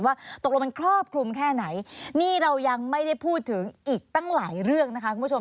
ว่าตกลงมันครอบคลุมแค่ไหนนี่เรายังไม่ได้พูดถึงอีกตั้งหลายเรื่องนะคะคุณผู้ชม